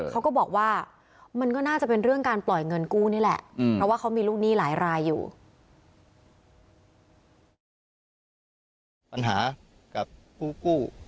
เขาก็บอกว่ามันก็น่าจะเป็นเรื่องการปล่อยเงินกู้นี่แหละเพราะว่าเขามีลูกหนี้หลายรายอยู่